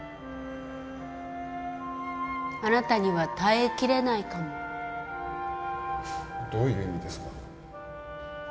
あなたには耐え切れないかもどういう意味ですか？